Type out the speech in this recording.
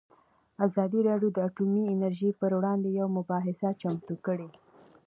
ازادي راډیو د اټومي انرژي پر وړاندې یوه مباحثه چمتو کړې.